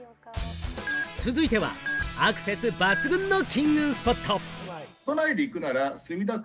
続いてはアクセス抜群の金運スポット。